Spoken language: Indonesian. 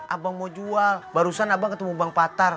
abang mau jual barusan abang ketemu bank patar